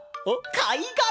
かいがら！